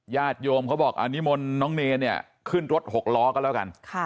ญาติโยมเขาบอกอันนี้มนต์น้องเนรเนี่ยขึ้นรถหกล้อก็แล้วกัน